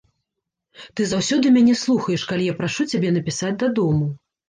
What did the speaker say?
Ты заўсёды мяне слухаеш, калі я прашу цябе напісаць дадому.